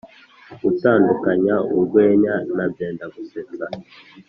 Gutandukanya urwenya na byendagusetsa.